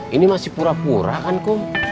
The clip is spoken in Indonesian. ini masih pura pura kan kok